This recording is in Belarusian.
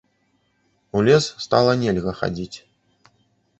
У лес стала нельга хадзіць.